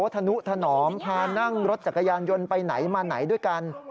ธนุถนอมพานั่งรถจักรยานยนต์ไปไหนมาไหนด้วยกัน